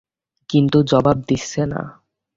কিন্তু জবাব দিচ্ছে না।